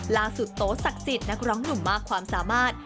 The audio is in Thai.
ลาสุโตสักจิตนักร้องหนุ่มมากความสามารถ